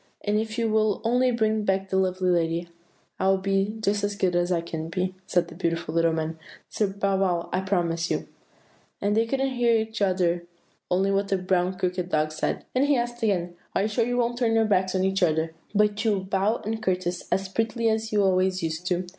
"'And if you will only bring back that lovely lady I will be just as good as I can be,' said the beautiful little man; 'Sir Bow wow, I promise you.' And they couldn't hear each other, only what the brown crockery dog said; and he asked again, 'Are you sure you won't turn your backs on each other, but you will bow and courtesy as prettily as you always used to?